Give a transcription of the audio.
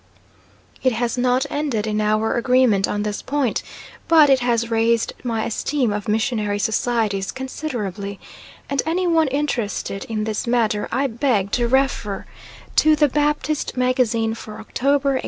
It has not ended in our agreement on this point, but it has raised my esteem of Missionary Societies considerably; and anyone interested in this matter I beg to refer to the Baptist Magazine for October, 1897.